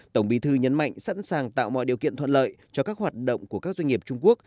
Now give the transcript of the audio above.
tổng bí thư nhấn mạnh sẵn sàng tạo mọi điều kiện thuận lợi cho các hoạt động của các doanh nghiệp trung quốc